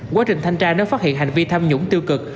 quá trình thanh tra nếu phát hiện hành vi tham nhũng tiêu cực